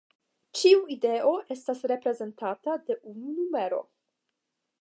Ĉiu ideo estas reprezentata de unu numero.